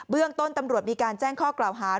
เรื่องต้นตำรวจมีการแจ้งข้อกล่าวหา